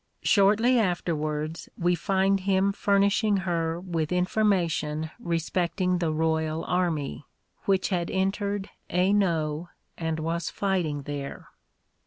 Shortly afterwards we find him furnishing her with information respecting the royal army, which had entered Hainault and was fighting there.